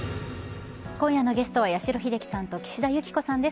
今夜のゲストは八代英輝さんと岸田雪子さんです。